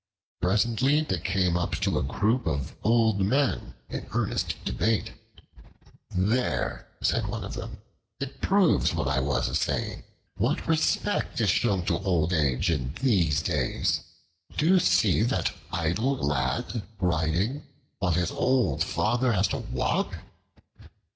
Presently they came up to a group of old men in earnest debate. "There," said one of them, "it proves what I was a saying. What respect is shown to old age in these days? Do you see that idle lad riding while his old father has to walk?